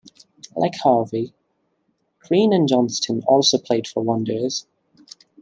Like Harvey, Crean and Johnston also played for Wanderers.